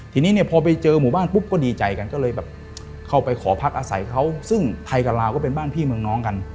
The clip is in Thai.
ทีนี้เนี่ยพอไปเจอหมู่บ้านปุ๊บก็ดีใจกันก็เลยแบบเข้าไปขอพักอาศัยเขาซึ่งไทยกับลาวก็เป็นบ้านพี่เมืองน้องกัน